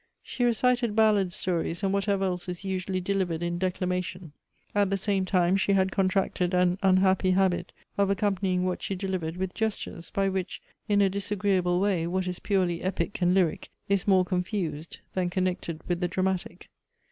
She recited ballad stories, and whatever else is usually delivered in declamation. At the same time she had contracted an unhappy habit of accompanying wliat she delivered with gestures, by which, in a disagreeable way, what is purely epic and lyric is more confused than connected with the dramatic.